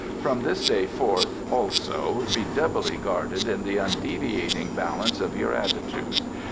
"From this day forth, also, be doubly guarded in the undeviating balance of your attitude.